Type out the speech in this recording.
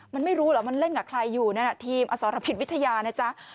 มันไม่รู้เหรอมันเล่นกับใครอยู่นั่นทีมอสรพิษวิทยานะจ๊ะ